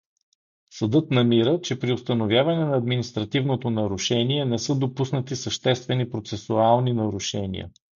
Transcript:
Съдът намира, че при установяване на административното нарушение не са допуснати съществени процесуални нарушения.